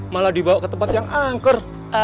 malah dibawa ke tempat yang angker